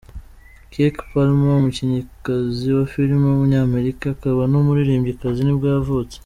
Keke Palmer, umukinnyikazi wa filime w’umunyamerika, akaba n’umuririmbyikazi nibwo yavutse.